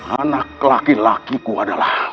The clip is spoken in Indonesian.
anak laki lakiku adalah